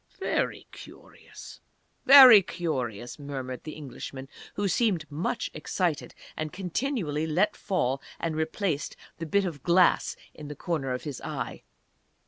"Very curious!... Very curious!" murmured the Englishman, who seemed much excited, and continually let fall and replaced the bit of glass in the corner of his eye.